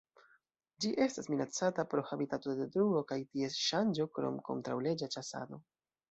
Ĝi estas minacata pro habitatodetruo kaj ties ŝanĝo krom kontraŭleĝa ĉasado.